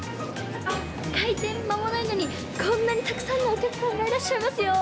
開店間もないのにこんなにたくさんのお客さんがいらっしゃいますよ。